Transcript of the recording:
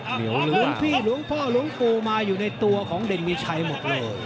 หลวงพี่หลวงพ่อหลวงปู่มาอยู่ในตัวของเด่นมีชัยหมดเลย